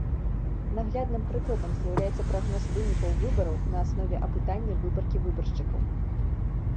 Наглядным прыкладам з'яўляецца прагноз вынікаў выбараў на аснове апытання выбаркі выбаршчыкаў.